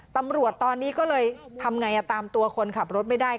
ตำรวจตอนนี้ก็เลยทำไงตามตัวคนขับรถไม่ได้